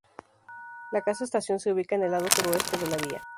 La casa estación se ubica en el lado suroeste de la vía.